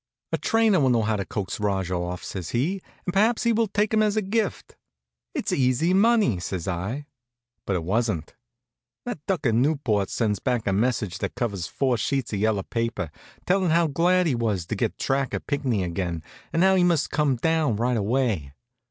"A trainer will know how to coax Rajah off," says he, "and perhaps he will take him as a gift." "It's easy money," says I. But it wasn't. That duck at Newport sends back a message that covers four sheets of yellow paper, tellin' how glad he was to get track of Pinckney again and how he must come down right away.